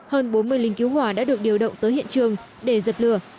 hơn bốn mươi lính cứu hỏa đã được điều động tới hiện trường để giật lửa